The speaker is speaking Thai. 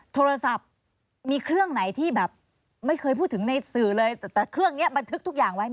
โทรศัพท์มีเครื่องไหนที่แบบไม่เคยพูดถึงในสื่อเลยแต่เครื่องนี้บันทึกทุกอย่างไว้หมด